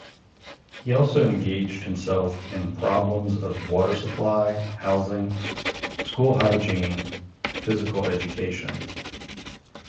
He also engaged himself in problems of water supply, housing, school hygiene, physical education.